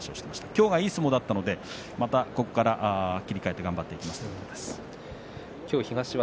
今日がいい相撲だったのでまたここから切り替えて頑張っていきますということです。